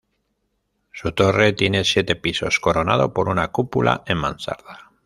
Su torre tiene siete pisos coronado por una cúpula en mansarda.